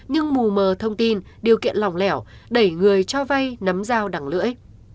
nhưng mù mờ thông tin điều kiện lỏng lẻo đẩy người cho vai nắm dao đằng lưỡi